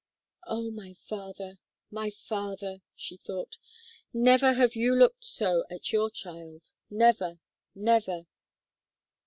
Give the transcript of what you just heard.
"Oh! my father my father!" she thought, "never have you looked so at your child never never!"